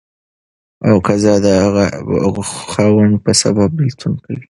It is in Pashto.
قضا د غائب خاوند په سبب بيلتون کوي.